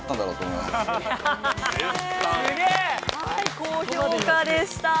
高評価でした。